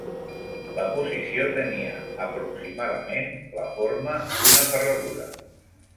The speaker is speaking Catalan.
La posició tenia, aproximadament, la forma d'una ferradura